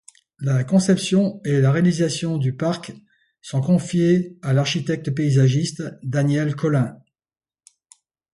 La conception et la réalisation du Parc sont confiées à l'architecte paysagiste Daniel Collin.